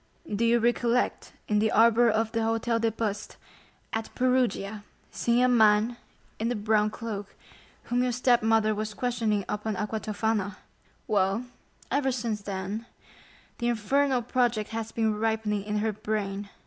"Do you recollect in the arbor of the Hôtel des Postes, at Perugia, seeing a man in a brown cloak, whom your stepmother was questioning upon aqua tofana? Well, ever since then, the infernal project has been ripening in her brain."